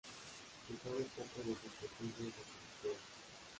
Se sabe poco de sus costumbres reproductoras.